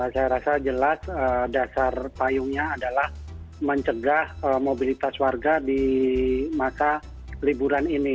saya rasa jelas dasar payungnya adalah mencegah mobilitas warga di masa liburan ini